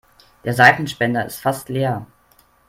Der Seifenspender ist fast leer.